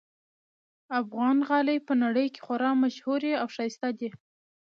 افغان غالۍ په نړۍ کې خورا ممشهوري اوښایسته دي